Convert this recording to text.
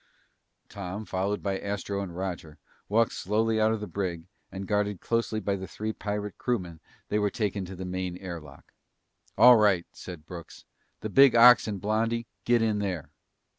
Tom, followed by Astro and Roger, walked slowly out of the brig, and guarded closely by the three pirate crewmen they were taken to the main air lock. "All right," said Brooks. "The big ox and blondie, get in there!"